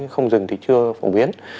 không dừng thì chưa phổ biến